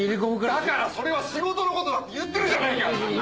だからそれは仕事のことだって言ってるじゃないか！